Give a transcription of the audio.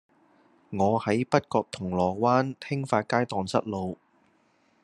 我喺北角銅鑼灣興發街盪失路